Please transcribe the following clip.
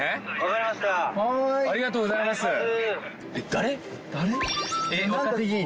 誰？